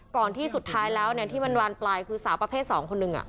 ก่อนที่สุดท้ายแล้วที่มันบานปลายคือสาวประเภท๒คนหนึ่ง